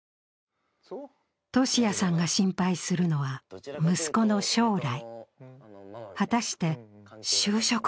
富志也さんが心配するのは息子の将来。